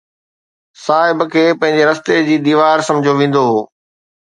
صاحب کي پنهنجي رستي جي ديوار سمجهيو ويندو هو.